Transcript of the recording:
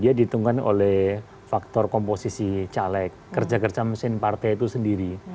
dia dihitungkan oleh faktor komposisi caleg kerja kerja mesin partai itu sendiri